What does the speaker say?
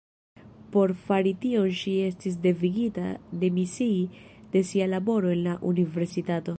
Por fari tion ŝi estis devigita demisii de sia laboro en la universitato.